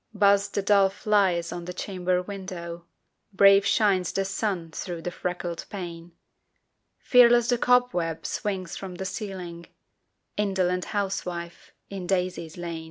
Buzz the dull flies on the chamber window; Brave shines the sun through the freckled pane; Fearless the cobweb swings from the ceiling Indolent housewife, in daisies lain!